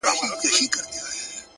هره پوښتنه د پرمختګ دروازه ده!.